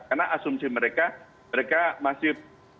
karena asumsi mereka mereka masih